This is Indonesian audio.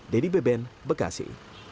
dedy beben bekasi